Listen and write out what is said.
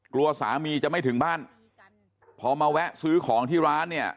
กลัวสามีจะไม่ถึงบ้านพอมาแวะซื้อของที่ร้านเนี่ย